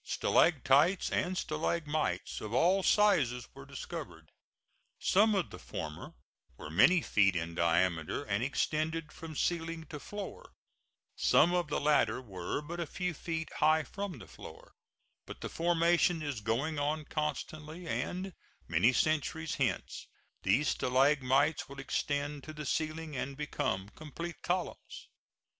Stalactites and stalagmites of all sizes were discovered. Some of the former were many feet in diameter and extended from ceiling to floor; some of the latter were but a few feet high from the floor; but the formation is going on constantly, and many centuries hence these stalagmites will extend to the ceiling and become complete columns.